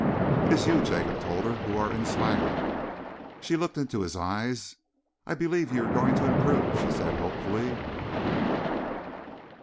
"It is you," Jacob told her, "who are inspiring." She looked into his eyes. "I believe you are going to improve," she said hopefully.